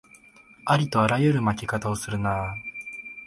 ありとあらゆる負け方をするなあ